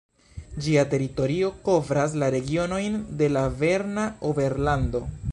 Ĝia teritorio kovras la regionojn de la Berna Oberlando.